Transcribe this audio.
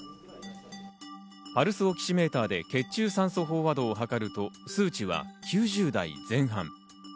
パルスオキシメーターで血中酸素飽和度を測ると数値は９０台前半。